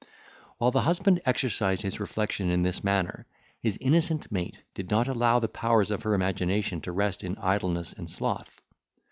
While the husband exercised his reflection in this manner, his innocent mate did not allow the powers of her imagination to rest in idleness and sloth.